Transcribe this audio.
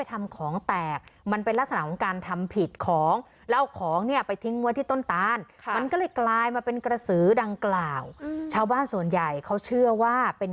แต่ลูกสาวเรานี่เพิ่งเห็น